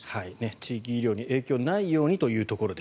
地域医療に影響がないようにというところで。